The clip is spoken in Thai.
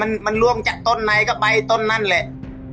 ไมส์อ่ะมันล่วงจากต้นในไปต้นนั้นแหละ